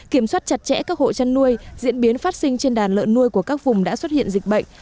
kiểm soát chặt chẽ các hộ chăn nuôi diễn biến phát sinh trên đàn lợn nuôi của các vùng đã xuất hiện dịch bệnh